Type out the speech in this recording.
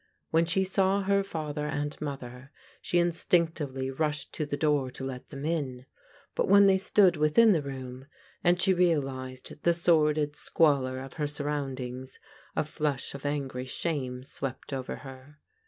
When she saw her father and mother she in stinctively rushed to the door to let them in; but when they stood within the room, and she realized the sordid squalor of her surroundings, a flush of angry shame swept over her.